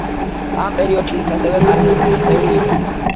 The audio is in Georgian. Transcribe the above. ამ პერიოდში ის ასევე პარლამენტის წევრი იყო.